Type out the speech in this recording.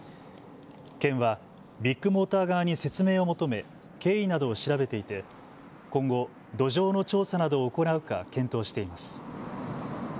県はビッグモーター側に説明を求め経緯などを調べていて今後、土壌の調査などを行うか検討しています。